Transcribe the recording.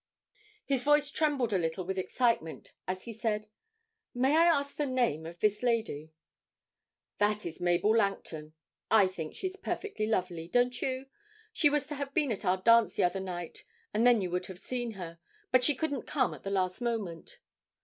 His voice trembled a little with excitement as he said 'May I ask the name of this lady?' 'That is Mabel Langton. I think she's perfectly lovely; don't you? She was to have been at our dance the other night, and then you would have seen her. But she couldn't come at the last moment.'